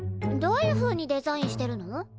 どういうふうにデザインしてるの？